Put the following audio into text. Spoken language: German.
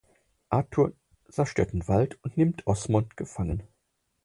Arthur zerstört den Wald und nimmt Osmond gefangen.